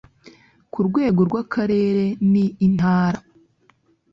ku rwego rw akarere n intara